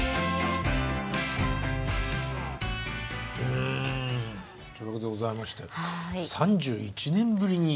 うんということでございまして３１年ぶりに。